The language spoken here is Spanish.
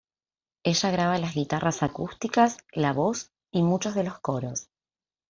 Ella graba las guitarras acústicas, la voz y muchos de los coros.